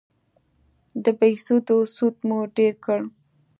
د بهسودو سود مو ډېر کړ